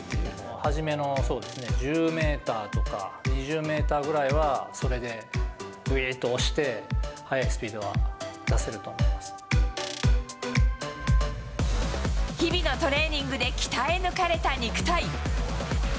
初めのそうですね、１０メーターとか２０メーターぐらいはそれでウエイトを押して速日々のトレーニングで鍛え抜かれた肉体。